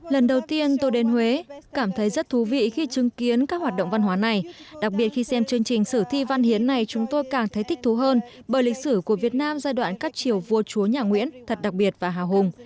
lần đầu tiên tôi đến huế cảm thấy rất thú vị khi chứng kiến các hoạt động văn hóa này đặc biệt khi xem chương trình sử thi văn hiến này chúng tôi càng thấy thích thú hơn bởi lịch sử của việt nam giai đoạn các triều vua chúa nhà nguyễn thật đặc biệt và hào hùng